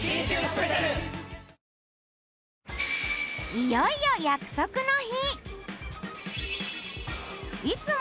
いよいよ約束の日。